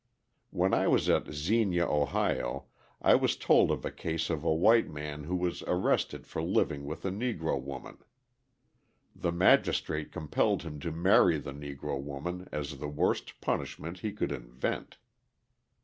When I was at Xenia, O., I was told of a case of a white man who was arrested for living with a Negro woman. The magistrate compelled him to marry the Negro woman as the worst punishment he could invent!